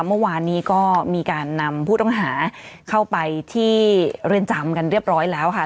เมื่อวานนี้ก็มีการนำผู้ต้องหาเข้าไปที่เรือนจำกันเรียบร้อยแล้วค่ะ